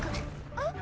えっ？